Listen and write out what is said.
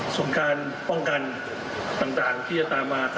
ส่วนการป้องกันต่างที่จะตามมา